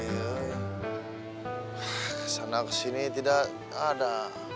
ke sana ke sini tidak ada